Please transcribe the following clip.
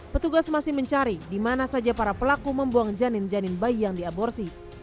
petugas masih mencari di mana saja para pelaku membuang janin janin bayi yang diaborsi